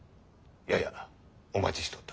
ややお待ちしとった。